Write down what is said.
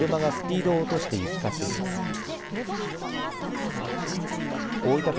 冠水した道路を車がスピードを落として行き交っています。